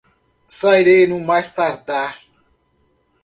Sairei no mais tardar